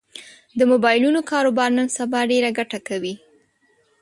د مبایلونو کاروبار نن سبا ډېره ګټه کوي